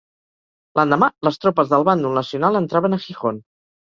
L'endemà, les tropes del bàndol nacional entraven a Gijón.